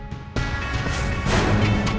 kita harus berhenti